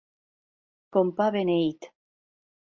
Com pa beneït.